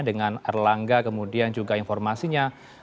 dengan erlangga kemudian juga informasinya